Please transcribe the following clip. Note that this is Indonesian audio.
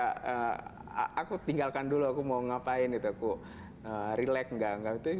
aku tinggalkan dulu aku mau ngapain itu aku relax gak gitu